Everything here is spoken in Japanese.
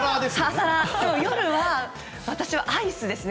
夜は私はアイスですね。